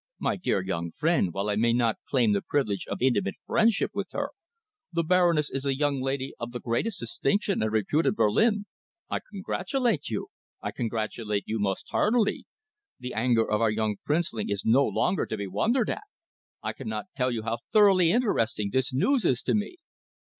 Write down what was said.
My dear young friend, while I may not claim the privilege of intimate friendship with her, the Baroness is a young lady of the greatest distinction and repute in Berlin. I congratulate you. I congratulate you most heartily. The anger of our young princeling is no longer to be wondered at. I cannot tell you how thoroughly interesting this news is to me."